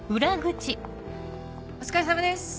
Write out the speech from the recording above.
お疲れさまです。